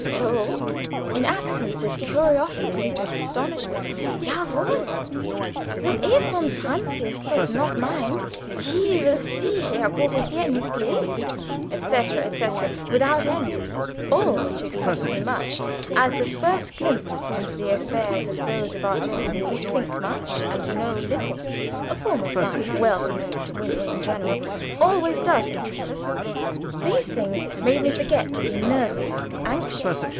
"So!" in accents of curiosity and astonishment "Ja wohl! And that if von Francius does not mind, he will see Herr Courvoisier in his place," etc., etc., without end. All which excited me much, as the first glimpse into the affairs of those about whom we think much and know little (a form of life well known to women in general) always does interest us. These things made me forget to be nervous or anxious.